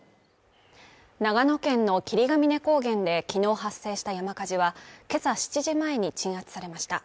長野県の霧ケ峰高原で昨日発生した山火事は今朝７時前に鎮圧されました。